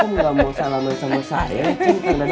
kok aku gak mau salaman sama saya kang dadang